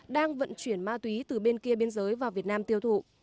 đang vận chuyển ma túy từ bên kia biên giới vào việt nam tiêu thụ